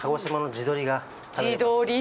地鶏。